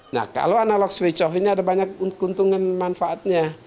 nah kalau analog switch off ini ada banyak keuntungan manfaatnya